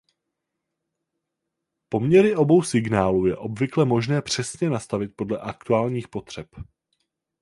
Poměry obou signálu je obvykle možné přesně nastavit podle aktuálních potřeb.